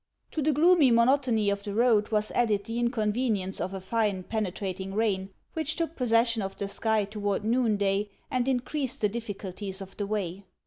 To the gloomy monotony of the road was added the inconvenience of a fine, penetrating rain, which took pos session of the sky toward noonday, and increased the difficulties of the way.